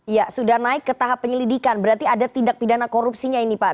ya sudah naik ke tahap penyelidikan berarti ada tindak pidana korupsinya ini pak